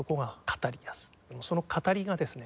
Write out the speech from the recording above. その語りがですね